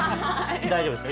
大丈夫です。